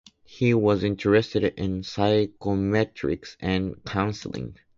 He was interested in psychometrics and counseling.